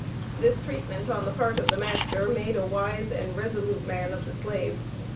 This treatment on the part of the master made a wise and resolute man of the Slave.